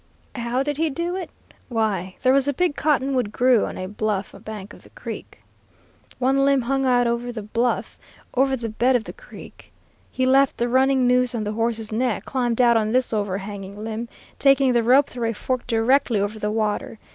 "How did he do it? Why, there was a big cottonwood grew on a bluff bank of the creek. One limb hung out over the bluff, over the bed of the creek. He left the running noose on the horse's neck, climbed out on this overhanging limb, taking the rope through a fork directly over the water.